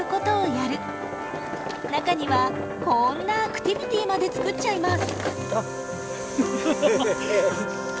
中にはこんなアクティビティーまでつくっちゃいます。